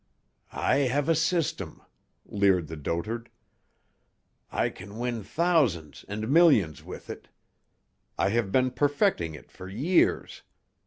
"I have a system," leered the dotard. "I can win thousands and millions with it. I have been perfecting it for years.